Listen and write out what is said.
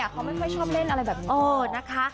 เขาไม่ค่อยชอบเล่นอะไรแบบนี้นะคะ